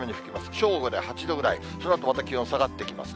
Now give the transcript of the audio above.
正午で８度ぐらい、そのあとまた気温下がってきますね。